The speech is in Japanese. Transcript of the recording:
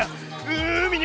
海に。